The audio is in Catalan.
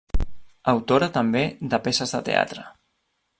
Autora també de peces de teatre.